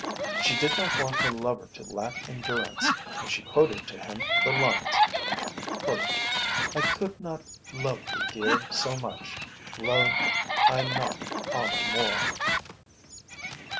She did not want her lover to lack endurance and she quoted to him the lines: "I could not love thee, dear, so much, _Loved I not honour more."